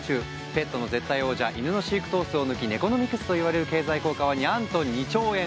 ペットの絶対王者犬の飼育頭数を抜き猫ノミクスといわれる経済効果はにゃんと２兆円。